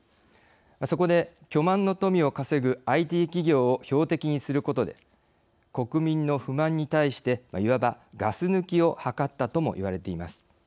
そこで、巨万の富を稼ぐＩＴ企業を標的にすることで国民の不満に対していわば、ガス抜きを図ったともいわれています。